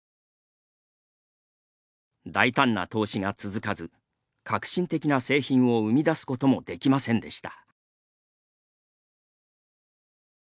大胆な投資が続かず革新的な製品を生み出すこともできませんでした。